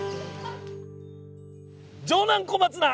城南小松菜。